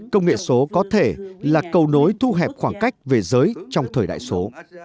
công nghệ số có thể là cầu nối thu hẹp khoảng cách về giới trong thời đại số